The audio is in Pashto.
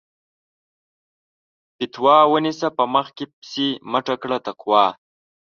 فَتوا ونيسه په مخ کې پسې مٔټه کړه تقوا